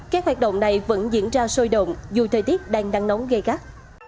các hoạt động này vẫn diễn ra sôi động dù thời tiết đang nắng nóng gây gắt